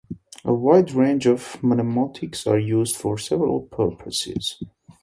A wide range of mnemonics are used for several purposes.